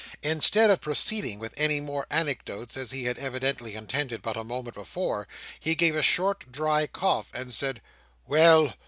Instead of proceeding with any more anecdotes, as he had evidently intended but a moment before, he gave a short dry cough, and said, "Well!